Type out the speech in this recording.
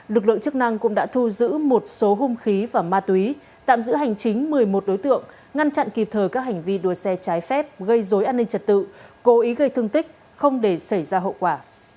lực lượng chức năng cũng đã thu giữ một số hung khí và ma túy tạm giữ hành chính một mươi một đối tượng ngăn chặn kịp thời các hành vi đua xe trái phép gây dối an ninh trật tự cố ý gây thương tích không để xảy ra hậu quả